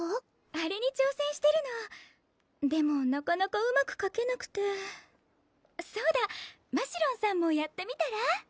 あれに挑戦してるのでもなかなかうまくかけなくてそうだましろんさんもやってみたら？